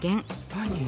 何？